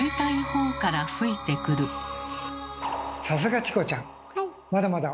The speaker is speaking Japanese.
さすがチコちゃん。